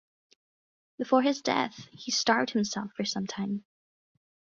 Before his death he starved himself for some time.